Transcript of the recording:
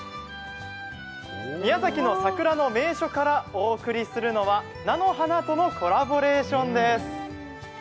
宮崎の桜の名所からお送りするのは菜の花とのコラボレーションです。